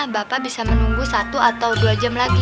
bapak bisa menunggu satu atau dua jam lagi